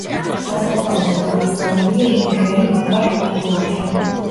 სასაფლაოზე დაკრძალულია იუნკერი მაკარ ბურჭულაძე.